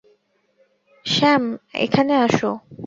Sam, এখানে এসো।